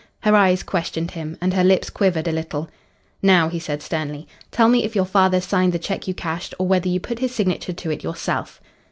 Her eyes questioned him and her lips quivered a little. "Now," he said sternly. "Tell me if your father signed the cheque you cashed, or whether you put his signature to it yourself?"